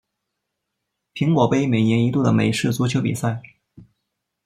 苹果杯每年一度的美式足球比赛。